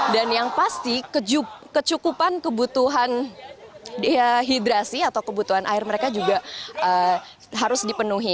dan yang pasti kecukupan kebutuhan hidrasi atau kebutuhan air mereka juga harus dipenuhi